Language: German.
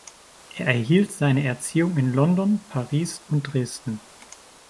Er erhielt seine Erziehung in London, Paris und Dresden.